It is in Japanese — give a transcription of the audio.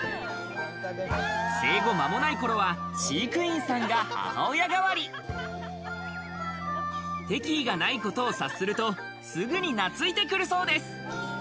生後間もない頃は、飼育員さんが母親代わり。敵意がないことを察するとすぐになついてくるそうです。